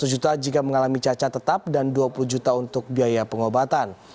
satu juta jika mengalami cacat tetap dan dua puluh juta untuk biaya pengobatan